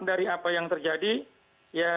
dari apa yang terjadi ya